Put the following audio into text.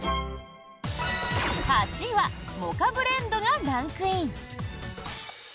８位はモカブレンドがランクイン！